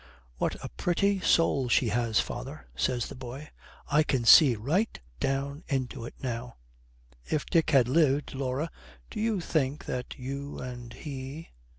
'What a pretty soul she has, father,' says the boy; 'I can see right down into it now.' 'If Dick had lived, Laura, do you think that you and he